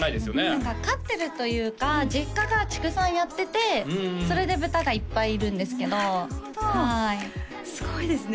何か飼ってるというか実家が畜産やっててそれでブタがいっぱいいるんですけどはいすごいですね